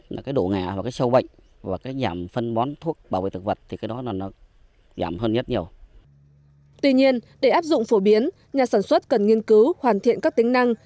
tuy nhiên để áp dụng phổ biến nhà sản xuất cần nghiên cứu hoàn thiện các tính năng